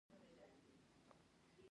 غوږونه د ماشوم غږ ژر پېژني